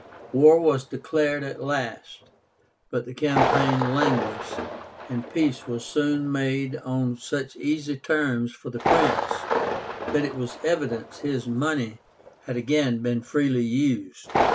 War was declared at last, but the campaign languished, and peace was soon made on such easy terms for the prince that it was evident his money had again been freely used.